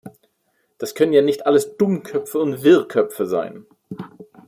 Das können ja nicht alles Dummköpfe und Wirrköpfe sein!